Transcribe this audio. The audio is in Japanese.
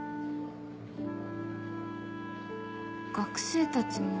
学生たちも。